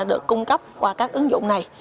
được cung cấp qua các ứng dụng này